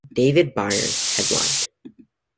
David Byrne headlined.